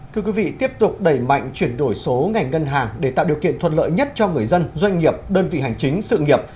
thưa quý vị tiếp tục đẩy mạnh chuyển đổi số ngành ngân hàng để tạo điều kiện thuận lợi nhất cho người dân doanh nghiệp đơn vị hành chính sự nghiệp